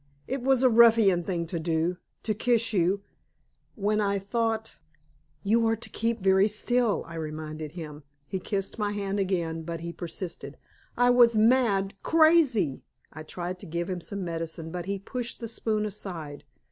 It was a ruffianly thing to do to kiss you, when I thought " "You are to keep very still," I reminded him. He kissed my hand again, but he persisted. "I was mad crazy." I tried to give him some medicine, but he pushed the spoon aside.